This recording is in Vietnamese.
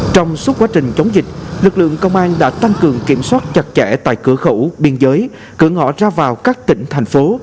trong suốt quá trình chống dịch lực lượng công an đã tăng cường kiểm soát chặt chẽ tại cửa khẩu biên giới cửa ngõ ra vào các tỉnh thành phố